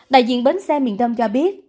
đại diện bến xe miền tâm cho biết